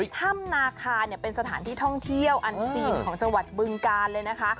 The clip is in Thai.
ถ้ำนาคาเนี่ยเป็นสถานที่ท่องเที่ยวอันซีนของจังหวัดบึงกาลเลยนะคะ